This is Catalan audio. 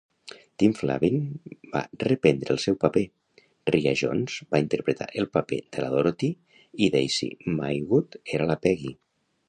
Tim Flavin va reprendre el seu paper, Ria Jones va interpretar el paper de la Dorothy i Daisy Maywood era la Peggy.